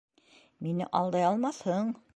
Мине алдай алмаҫһың!